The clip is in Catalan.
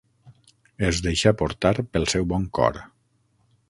Es deixà portar pel seu bon cor.